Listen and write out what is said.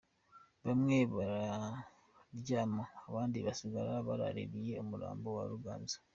Bamwe bararyama abandi basigara baraririye umurambo wa Ruganzu.